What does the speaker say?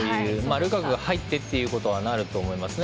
ルカクが入ってってことはあると思いますね。